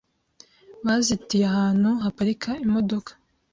Bazitiye ahantu haparika imodoka .